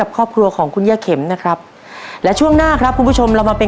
ครอบครัวของคุณย่าเข็มนะครับและช่วงหน้าครับคุณผู้ชมเรามาเป็น